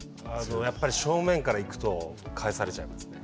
やっぱり正面から行くと返されちゃいますね。